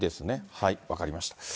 はい、わかりました。